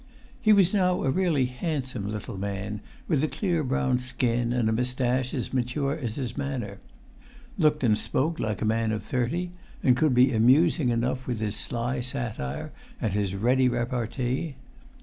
He was now a really handsome little man, with a clear brown skin and a moustache as mature as his manner; looked and spoke like a man of thirty; and could be amusing enough with his sly satire and his ready repartee.